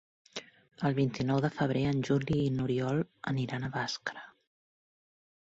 El vint-i-nou de febrer en Juli i n'Oriol aniran a Bàscara.